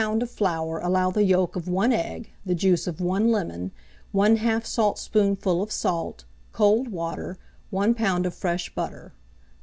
of flour allow the yolk of 1 egg, the juice of 1 lemon, 1/2 saltspoonful of salt, cold water, 1 lb. of fresh butter.